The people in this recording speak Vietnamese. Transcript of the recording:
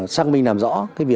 xác minh làm rõ